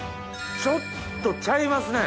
ちょっとちゃいますね。